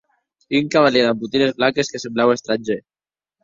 Un cavalièr damb botines blanques que semblaue estrangèr.